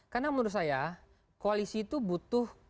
karena menurut saya koalisi itu butuh